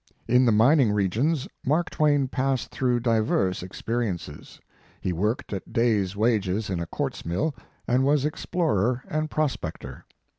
In the mining regions Mark Twain passed through divers experiences. He worked at day s wages in a quartz mill, and was explorer and prospector.